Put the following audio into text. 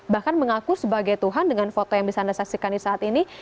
bahkan mengaku sebagai tuhan dengan foto yang bisa anda saksikan di saat ini